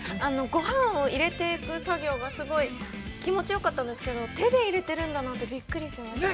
◆ご飯を入れていく作業が、すごい気持ちよかったんですけど、手で入れてるんだなって、びっくりしました。